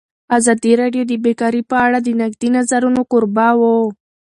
ازادي راډیو د بیکاري په اړه د نقدي نظرونو کوربه وه.